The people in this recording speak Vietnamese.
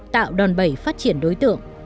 tạo đòn bẩy phát triển đối tượng